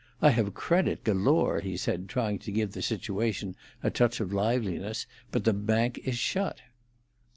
I have credit galore," he said, trying to give the situation a touch of liveliness, "but the bank is shut."